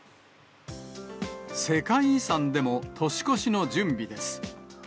世界遺産でも年越しの準備です。